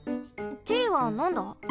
Ｔはなんだ？